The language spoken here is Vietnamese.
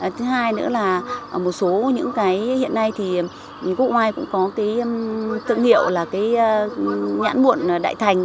thứ hai nữa là một số những cái hiện nay thì quốc oai cũng có cái thương hiệu là cái nhãn muộn đại thành